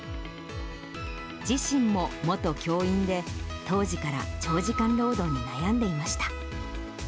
自身も元教員で、当時から長時間労働に悩んでいました。